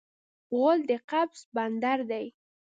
غول د قبض بندر دی.